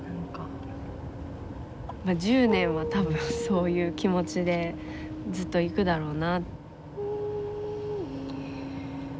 １０年は多分そういう気持ちでずっといくだろうな。